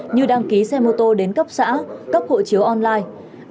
như đăng ký xe mô tô đến cấp xã cấp hộ chiếu online